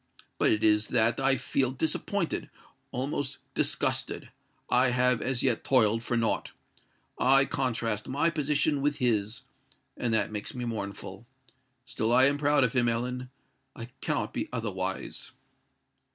But it is that I feel disappointed—almost disgusted:—I have as yet toiled for naught! I contrast my position with his—and that makes me mournful. Still I am proud of him, Ellen:—I cannot be otherwise."